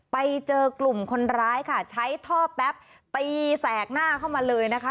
ไปเจอกลุ่มคนร้ายค่ะใช้ท่อแป๊บตีแสกหน้าเข้ามาเลยนะคะ